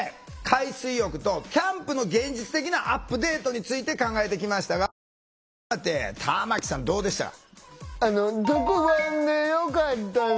海水浴とキャンプの現実的なアップデートについて考えてきましたが改めて玉木さんどうでした？